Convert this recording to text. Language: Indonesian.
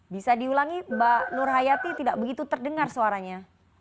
bisa diulangi mbak nur hayati tidak begitu terdengar suaranya